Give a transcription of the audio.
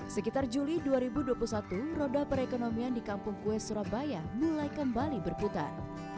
sekitar juli dua ribu dua puluh satu roda perekonomian di kampung kue surabaya mulai kembali berputar